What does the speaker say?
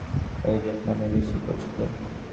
তিনি Calico Jack নামেই বেশি পরিচিত।